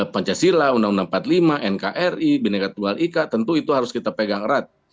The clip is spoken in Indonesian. pancasila undang undang empat puluh lima nkri bineka tunggal ika tentu itu harus kita pegang erat